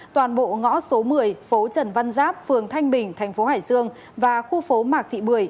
toàn bộ ngõ số một mươi phố trần văn giáp phường thanh bình thành phố hải dương và khu phố mạc thị bưởi